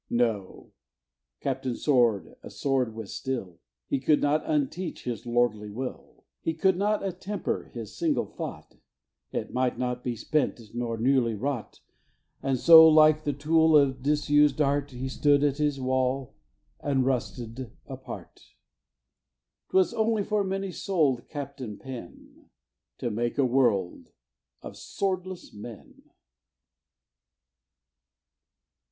No: Captain Sword a sword was still, He could not unteach his lordly will; He could not attemper his single thought; It might not be bent, nor newly wrought: And so, like the tool of a disus'd art, He stood at his wall, and rusted apart. 'Twas only for many soul'd Captain Pen To make a world of swordless men.